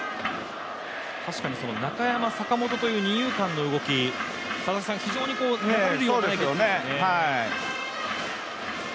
中山、坂本という二遊間の動き、非常に流れるような動きでしたね。